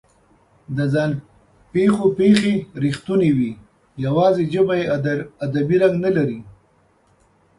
د ځان پېښو پېښې رښتونې وي، یواځې ژبه یې ادبي رنګ لري.